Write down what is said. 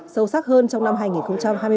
sâu sắc hơn trong năm hai nghìn hai mươi bốn